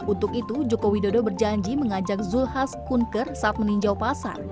untuk itu jokowi dodo berjanji mengajak zulkifli hasan kunker saat meninjau pasar